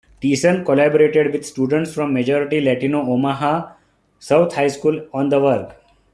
Teason collaborated with students from majority-Latino Omaha South High School on the work.